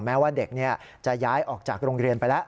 แม้ว่าเด็กจะย้ายออกจากโรงเรียนไปแล้ว